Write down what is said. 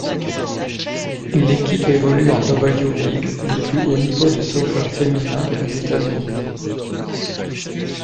L'équipe évolue en W-League, le plus haut niveau de soccer féminin aux États-Unis.